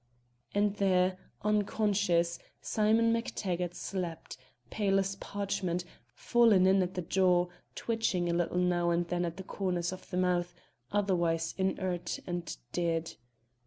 And there, unconscious, Simon MacTaggart slept, pale as parchment, fallen in at the jaw, twitching a little now and then at the corners of the mouth, otherwise inert and dead.